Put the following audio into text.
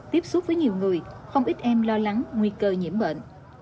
tiếp xúc với nhiều người không ít em lo lắng nguy cơ nhiễm bệnh